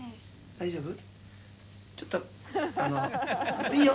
「大丈夫？」